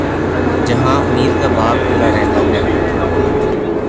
جہاں امید کا باب کھلا رہتا ہے۔